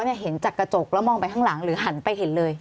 เห็นจากกระจกแล้วมองไปข้างหลังหรือหันไปเห็นเลย